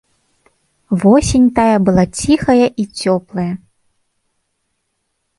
Восень тая была ціхая і цёплая.